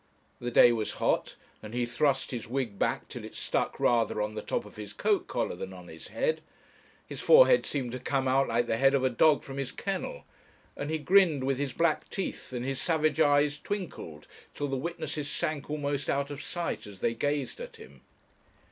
The day was hot, and he thrust his wig back till it stuck rather on the top of his coat collar than on his head; his forehead seemed to come out like the head of a dog from his kennel, and he grinned with his black teeth, and his savage eyes twinkled, till the witnesses sank almost out of sight as they gazed at him.